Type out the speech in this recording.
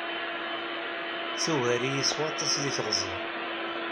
Tugar-iyi s waṭas deg teɣzi.